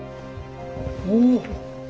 おお！